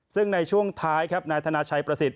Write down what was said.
ซึ่งในช่วงท้ายครับนายธนาชัยประสิทธิ